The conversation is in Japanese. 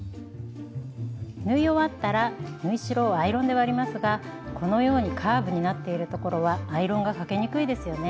縫い終わったら縫い代をアイロンで割りますがこのようにカーブになっているところはアイロンがかけにくいですよね？